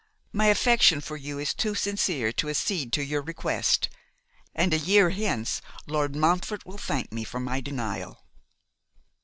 my affection for you is too sincere to accede to your request; and a year hence Lord Montfort will thank me for my denial.